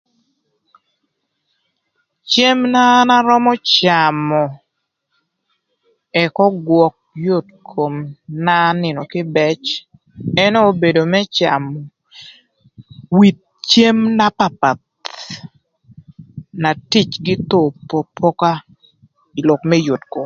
Cem na an arömö camö ëk ögwök yot koma nïnö kïbëc ënë obedo më camö with cem na papath na ticgï thon opopoka ï lok më yot kom.